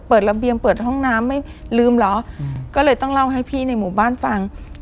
ระเบียงเปิดห้องน้ำไม่ลืมเหรอก็เลยต้องเล่าให้พี่ในหมู่บ้านฟัง